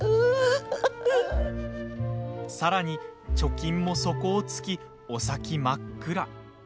さらに、貯金も底をつきお先真っ暗。